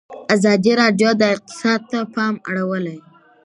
ازادي راډیو د اقتصاد ته پام اړولی.